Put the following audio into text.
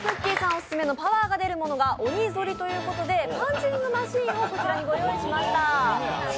オススメのパワーが出るものが鬼ぞりということでパンチングマシンをこちらにご用意しました。